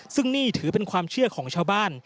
ซึ่งนี่ถือเป็นความเชื่อของชาวบ้าน